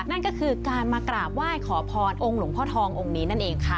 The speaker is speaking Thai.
นั่นก็คือการมากราบไหว้ขอพรองค์หลวงพ่อทององค์นี้นั่นเองค่ะ